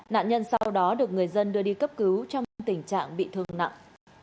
nạn nhân sau đó được người dân đưa đi cấp cứu trong tình trạng bị thương nặng